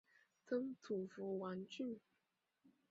曾祖父王俊。